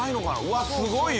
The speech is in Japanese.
うわっすごいよ。